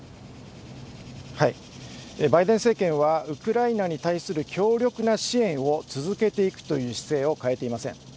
バイデン政権はウクライナに対する強力な支援を続けていくという姿勢を変えていません。